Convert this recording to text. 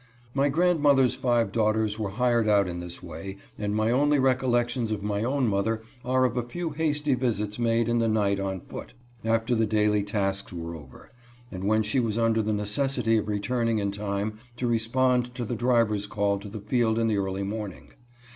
My grandmother's five daughters were hired out in this way, and my only recollections of my own mother are of a few hasty visits made in the night on foot, after the daily tasks were over, and when she was under the neces sity of returning in time to respond to the driver's call to the field in the early morning.